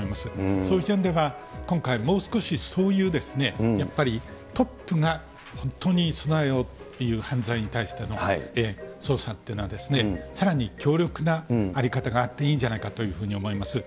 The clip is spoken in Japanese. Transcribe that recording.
そういうんでは今回、もう少しそういうやっぱりトップが本当に備えをという犯罪に対しての捜査っていうのはですね、さらに強力な在り方があっていいんじゃないかというふうに思います。